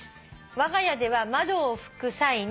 「わが家では窓を拭く際に」。